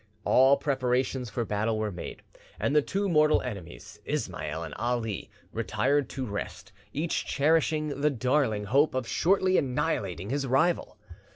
All preparations for battle were made, and the two mortal enemies, Ismail and Ali, retired to rest, each cherishing the darling hope of shortly annihilating his rival.